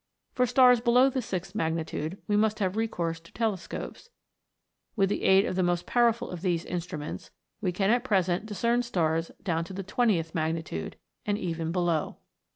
For stars below the sixth magni tude we must have recourse to telescopes ; with the aid of the most powerful of these instruments, we can at present discern stars down to the twentieth magnitude, and even below.